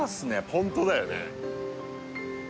ホントだよね